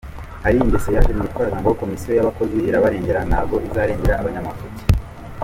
Hari ingeso yaje mwitwaza ngo komisiyo y’abakozi irabarengera, ntabwo bazarengera umunyamafuti.